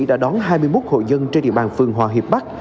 đã đón hai mươi một hội dân trên địa bàn phường hòa hiệp bắc